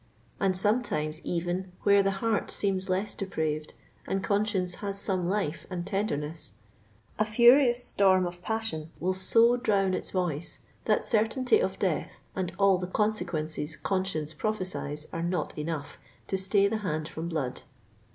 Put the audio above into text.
And sometimes, even, where the heart seems less depraved and conscience has some life and tenderness, a furious storm of passion will so drown its voice, that certainty of death and all the consequences conscience prophesies are not enough to stay the hand from blood.